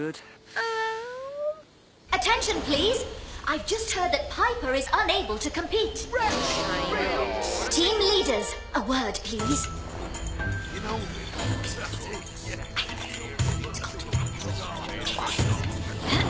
えっ！？